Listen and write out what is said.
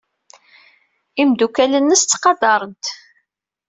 Imeddukal-nnes ttqadaren-t.